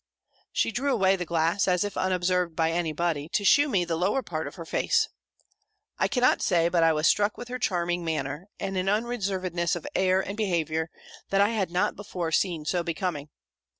She drew away the glass, as if unobserved by any body, to shew me the lower part of her face. "I cannot say, but I was struck with her charming manner, and an unreservedness of air and behaviour, that I had not before seen so becoming.